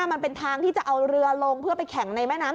มันเป็นทางที่จะเอาเรือลงเพื่อไปแข่งในแม่น้ำ